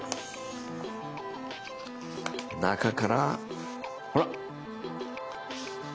中からほら！